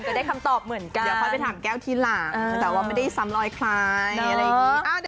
ได้คำตอบเหมือนกันเดี๋ยวค่อยไปถามแก้วทีหลังแต่ว่าไม่ได้ซ้ำลอยใครอะไรอย่างนี้